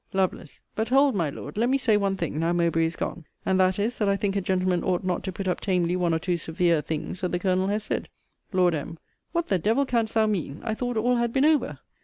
Lovel. But hold, my Lord, let me say one thing, now Mowbray is gone; and that is, that I think a gentleman ought not to put up tamely one or two severe things that the Colonel has said. Lord M. What the devil canst thou mean? I thought all had been over.